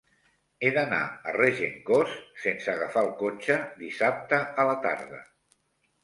He d'anar a Regencós sense agafar el cotxe dissabte a la tarda.